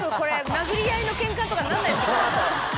殴り合いのケンカとかなんないですか？